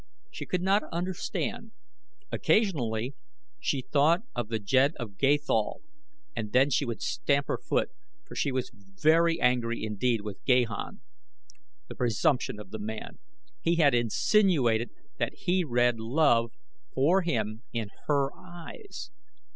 She could not understand. Occasionally she thought of the Jed of Gathol and then she would stamp her foot, for she was very angry indeed with Gahan. The presumption of the man! He had insinuated that he read love for him in her eyes.